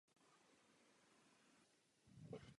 Následoval singl „Freedom“.